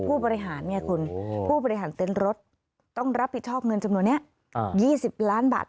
ผู้บริหารไงคุณผู้บริหารเต้นรถต้องรับผิดชอบเงินจำนวนนี้๒๐ล้านบาท